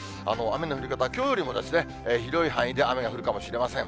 雨の降り方、きょうよりも広い範囲で雨が降るかもしれません。